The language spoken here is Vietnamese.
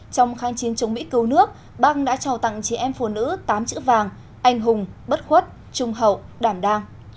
trong kháng chiến chống mỹ cứu nước băng đã trò tặng trẻ em phụ nữ tám chữ vàng anh hùng bất khuất trung hậu đảm đàng